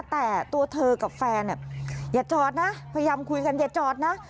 แต่ตัวเธอกับแฟนอย่าจอดนะพยายามคุยกันอย่าจอดนะ